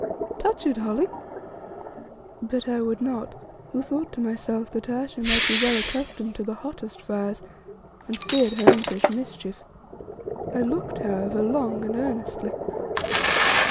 Touch it, Holly." But I would not, who thought to myself that Ayesha might be well accustomed to the hottest fires, and feared her impish mischief. I looked, however, long and earnestly.